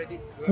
terima kasih ya